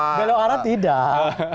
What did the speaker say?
belok arah tidak